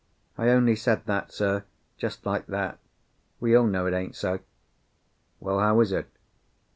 "I only said that, sir, just like that. We all know it ain't so." "Well, how is it?"